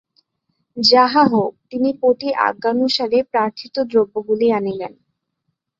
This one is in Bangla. যাহা হউক তিনি পতির আজ্ঞানুসারে প্রার্থিত দ্রব্যগুলি আনিলেন।